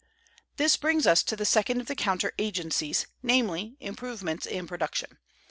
This brings us to the second of the counter agencies, namely, improvements in production.